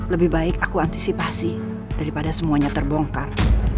lebih baik aku antisipasi daripada semuanya terbongkar